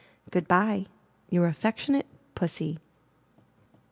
Good by. Your affectionate Pussy.